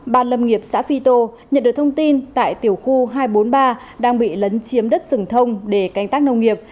ban lâm nghiệp xã phi tô nhận được thông tin tại tiểu khu hai trăm bốn mươi ba đang bị lấn chiếm đất rừng thông để canh tác nông nghiệp